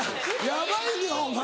ヤバいねんお前